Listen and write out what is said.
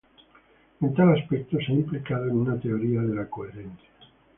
En tal aspecto se ha implicado en una teoría de la coherencia.